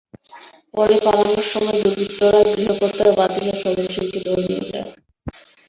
পরে পালানোর সময় দুর্বৃত্তরা গৃহকর্তার ভাতিজা সজল শীলকে ধরে নিয়ে যায়।